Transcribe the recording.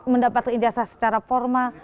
mendapatkan ijazah secara formal